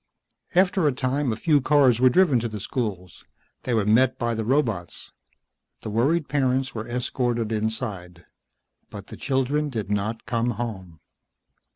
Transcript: After a time a few cars were driven to the schools. They were met by the robots. The worried parents were escorted inside. But the children did not come home.